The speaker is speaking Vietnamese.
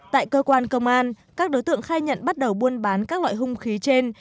tại cơ quan công an các đối tượng khai nhận bắt đầu buôn bán các loại hung khí trên